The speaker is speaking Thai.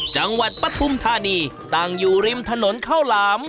จังหวัดปฐุมธานีตั้งอยู่ริมถนนเข้าหลาม